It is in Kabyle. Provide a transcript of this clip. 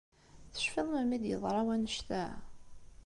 Tecfiḍ melmi i d-yeḍṛa wannect-a?